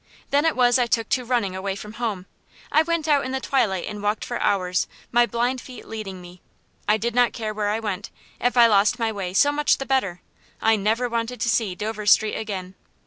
Then it was I took to running away from home. I went out in the twilight and walked for hours, my blind feet leading me. I did not care where I went. If I lost my way, so much the better; I never wanted to see Dover Street again.